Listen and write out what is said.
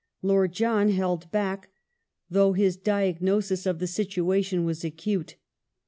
Lord John held back, though his diagnosis of the situation was acute.